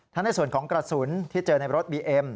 ในส่วนของกระสุนที่เจอในรถบีเอ็ม